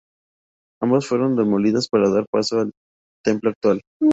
Ambas fueron demolidas para dar paso al templo actual.